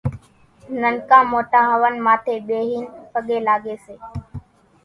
ننڪا موٽان هونَ ماٿيَ ٻيهين پڳين لاڳيَ سي۔